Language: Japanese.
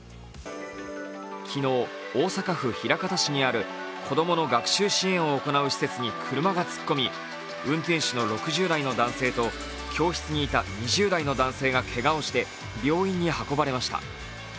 昨日、大阪府枚方市にある子供の学習支援を行う施設に車が突っ込み運転手の６０代の男性と教室にいた２０代の男性がけがをして病院に運ばれました。